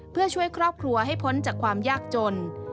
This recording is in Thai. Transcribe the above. เพื่อช่วยครอบครัวให้พ้นจากความยากจน